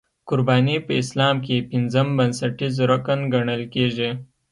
قرباني په اسلام کې پنځم بنسټیز رکن ګڼل کېږي.